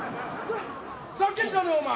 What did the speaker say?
ふざけんじゃねえお前！